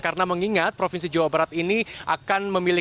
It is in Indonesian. karena mengingat provinsi jawa barat ini akan memilih